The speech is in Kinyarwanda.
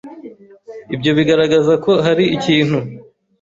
ibyo bigaragaza ko hari ikintu